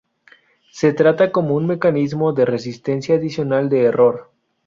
Se trata como un mecanismo de resistencia adicional de error.